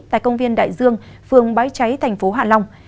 tại công viên đại dương phường bái cháy thành phố hạ long